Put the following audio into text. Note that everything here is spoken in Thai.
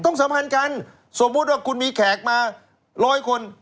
สัมพันธ์กันสมมุติว่าคุณมีแขกมาร้อยคน